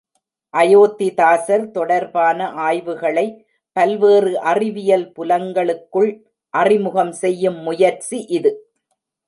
அயோத்திதாசர் தொடர்பான ஆய்வுகளை பல்வேறு அறிவியல் புலங்களுக்குள் அறிமுகம் செய்யும் முயற்சி இது.